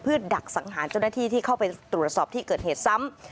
ดักสังหารเจ้าหน้าที่ที่เข้าไปตรวจสอบที่เกิดเหตุซ้ำ